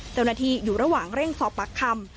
เจ้าหน้าที่อยู่ระหว่างเร่งสอบปากคำ